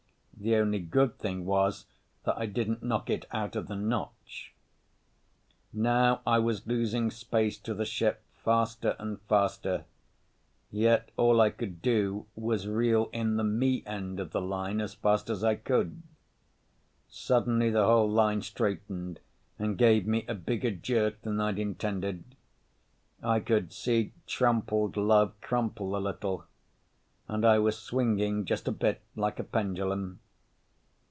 The only good thing was that I didn't knock it out of the notch. Now I was losing space to the ship faster and faster. Yet all I could do was reel in the me end of the line as fast as I could. Suddenly the whole line straightened and gave me a bigger jerk than I'd intended. I could see Trompled Love crumple a little. And I was swinging just a bit, like a pendulum.